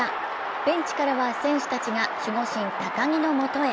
ベンチからは選手たちが守護神・高木のもとへ。